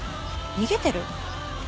逃げてる？